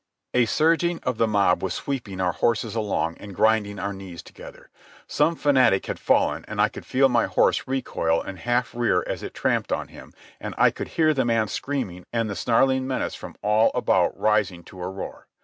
A surging of the mob was sweeping our horses along and grinding our knees together. Some fanatic had fallen, and I could feel my horse recoil and half rear as it tramped on him, and I could hear the man screaming and the snarling menace from all about rising to a roar.